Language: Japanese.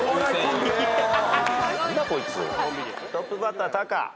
トップバッタータカ。